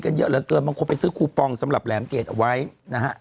กันเยอะละเกินมันควรไปซื้อคูปองสำหรับแหลมเกจเอาไว้นะฮะ